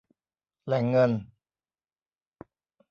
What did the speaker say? แหล่งเงิน